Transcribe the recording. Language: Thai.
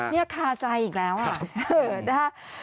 เนี่ยคาใจอีกแล้วอ่ะ